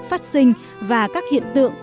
phát sinh và các hiện tượng